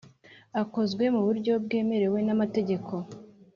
akozwe mu buryo bwemewe n amategeko